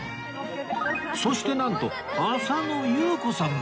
そしてなんと浅野ゆう子さんまで